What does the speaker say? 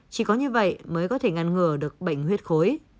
chỉ có như vậy mới có thể ngăn ngừa được bệnh huyết khối